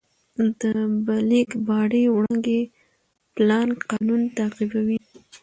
د بلیک باډي وړانګې پلانک قانون تعقیبوي.